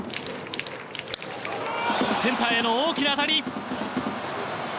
センターへの大きな当たり！